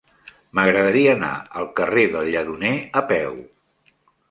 M'agradaria anar al carrer del Lledoner a peu.